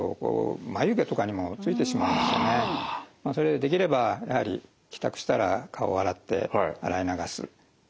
できればやはり帰宅したら顔を洗って洗い流す。